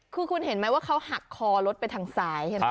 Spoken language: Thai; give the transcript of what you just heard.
คุณเห็นไหมว่าเขาหักคอรถไปทางซ้าย